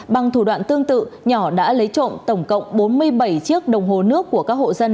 bằng thủ đoạn tương tự nhỏ đã lấy trộm tổng cộng bốn mươi bảy chiếc đồng hồ nước của các hộ dân